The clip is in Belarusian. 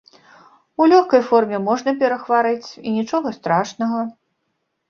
У лёгкай форме можна перахварэць і нічога страшнага.